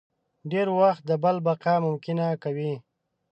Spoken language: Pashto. ډېری وخت د بل بقا ممکنه کوي.